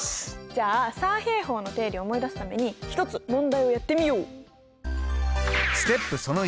じゃあ三平方の定理を思い出すために一つ問題をやってみよう。